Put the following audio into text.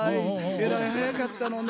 えらい早かったのね。